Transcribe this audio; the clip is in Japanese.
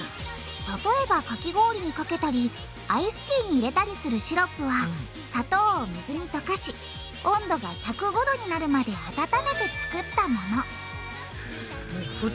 例えばかき氷にかけたりアイスティーに入れたりするシロップは砂糖を水に溶かし温度が１０５℃になるまで温めてつくったものへぇ。